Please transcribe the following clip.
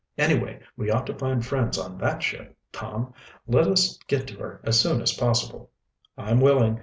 "Anyway, we ought to find friends on that ship, Tom. Let us get to her as soon as possible." "I'm willing.